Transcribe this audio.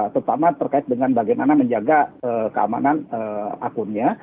terutama terkait dengan bagaimana menjaga keamanan akunnya